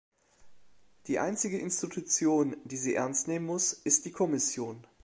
Die einzige Institution, die sie ernst nehmen muss, ist die Kommission.